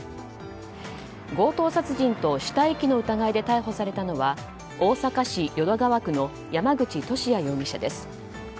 強盗殺人と死体遺棄の疑いで逮捕されたのは大阪市淀川区の山口利家容疑者です。